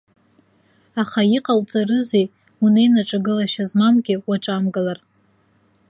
Аха иҟауҵарызеи, унеины ҿагылашьа змамгьы уаҿамгылар.